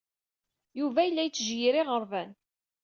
Yuba yella yettjeyyir iɣerban.